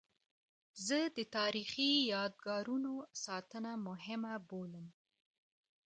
زه د تاریخي یادګارونو ساتنه مهمه بولم.